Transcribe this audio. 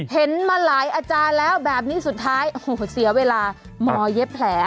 เห็นมาหลายอาจารย์แล้วแบบนี้สุดท้ายโอ้โหเสียเวลาหมอเย็บแผล